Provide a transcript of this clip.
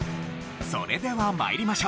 それでは参りましょう。